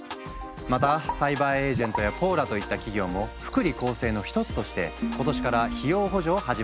またサイバーエージェントやポーラといった企業も福利厚生の一つとして今年から費用補助を始めたんです。